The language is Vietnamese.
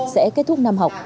sẽ kết thúc năm học